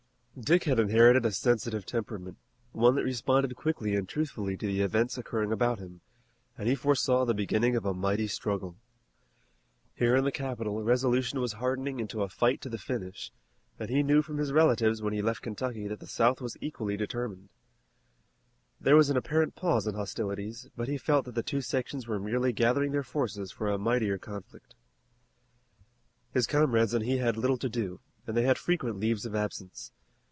Dick had inherited a sensitive temperament, one that responded quickly and truthfully to the events occurring about him, and he foresaw the beginning of a mighty struggle. Here in the capital, resolution was hardening into a fight to the finish, and he knew from his relatives when he left Kentucky that the South was equally determined. There was an apparent pause in hostilities, but he felt that the two sections were merely gathering their forces for a mightier conflict. His comrades and he had little to do, and they had frequent leaves of absence.